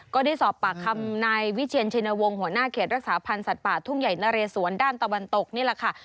ก็ได้สอบปากคำนายวิเชียนชินวงศ์หัวหน้าเขตรักษาพันธ์สัตว์ป่าทุ่งใหญ่นะเรสวนด้านตะวันตกนี่แหละค่ะ